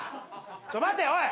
ちょっ待てよおい！